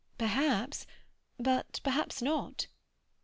"Perhaps. But perhaps not."